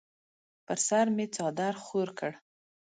پر سر مې څادر خور کړ.